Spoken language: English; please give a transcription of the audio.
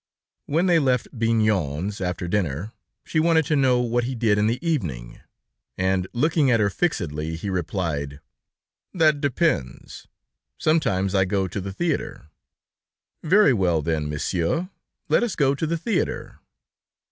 When they left Bignon's, after dinner, she wanted to know what he did in the evening, and looking at her fixedly, he replied: "That depends; sometimes I go to the theater." "Very well, then, Monsieur; let us go to the theater."